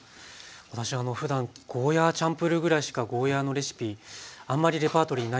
私ふだんゴーヤーチャンプルーぐらいしかゴーヤーのレシピあんまりレパートリーないんですけど。